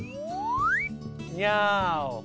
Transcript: ニャーオ。